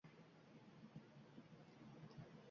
Jan cherdakka ko`tarildi; ona uning ortidan chiqdi